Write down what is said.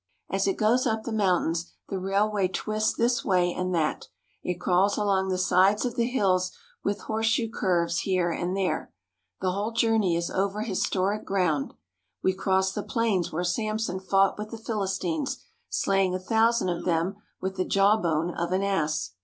As it goes up the mountains, the railway twists this way and that. It crawls along the sides of the hills with horseshoe curves here and there. The whole journey is over historic ground. We cross the plains where Samson fought with the Philistines, slaying a thousand of them with the jawbone of an ass.